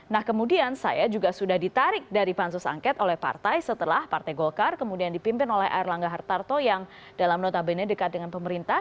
nah kemudian saya juga sudah ditarik dari pansus angket oleh partai setelah partai golkar kemudian dipimpin oleh erlangga hartarto yang dalam notabene dekat dengan pemerintah